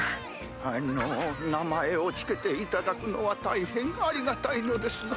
あの名前を付けていただくのは大変ありがたいのですが。